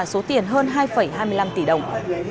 số tiền hơn hai hai mươi năm tỷ đồng